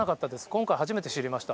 今回初めて知りました。